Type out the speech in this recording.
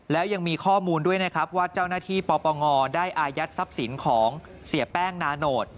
แล้วยังมีข้อมูลด้วยนะครับว่าเจ้าหน้าที่ปปงได้อายัดทรัพย์สินของเสียแป้งนาโนต